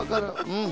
うん？